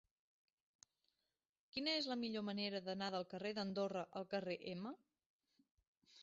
Quina és la millor manera d'anar del carrer d'Andorra al carrer M?